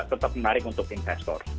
tetap menarik untuk investor